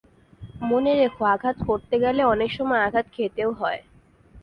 মনে রেখ, আঘাত করতে গেলে অনেক সময় আঘাত খেতেও হয়।